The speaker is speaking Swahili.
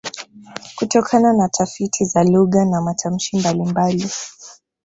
Kutokana na tafiti za lugha na matamshi mbalimbali